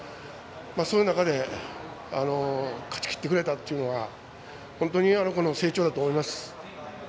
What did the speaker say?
その中で勝ちきってくれたっていうのは本当に成長だと思います。